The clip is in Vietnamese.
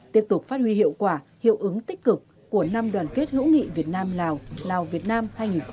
tiếp tục phát huy hiệu quả hiệu ứng tích cực của năm đoàn kết hữu nghị việt nam lào lào việt nam hai nghìn một mươi chín